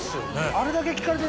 あれだけ聞かれて。